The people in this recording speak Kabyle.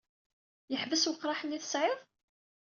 Yeḥbes weqraḥ-nni ay tesɛiḍ?